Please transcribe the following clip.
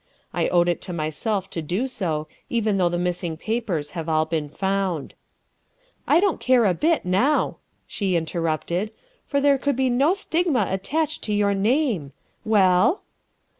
I owed it to myself to do so even though the missing papers have all been found. ''" I don't care a bit now," she interrupted, " for there could be no stigma attached to your name. Well?"